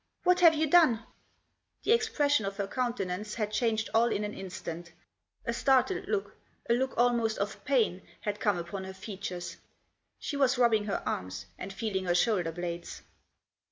What have you done ?" The expression of her countenance had changed all in an instant. A startled look, a look almost of pain, had come upon her features. She was rubbing her arms and feeling her shoulder blades.